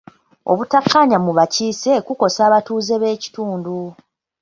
Obutakkaanya mu bakiise kukosa abatuuze b'ekitundu.